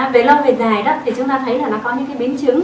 về lâu về dài thì chúng ta thấy là nó có những biến chứng